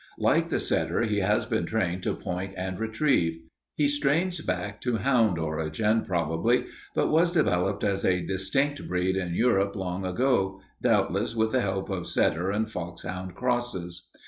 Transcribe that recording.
Like the setter he has been trained to point and retrieve. He strains back to hound origin, probably, but was developed as a distinct breed in Europe long ago, doubtless with the help of setter and foxhound crosses.